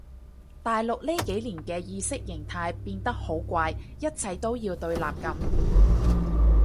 大陸呢幾年嘅意識形態變得好怪一切都要對立噉